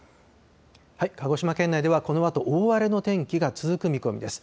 鹿児島県内ではこのあと大荒れの天気が続く見込みです。